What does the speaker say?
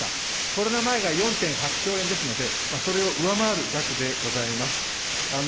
コロナ前が４．８兆円ですので、それを上回る額でございます。